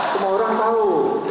semua orang tahu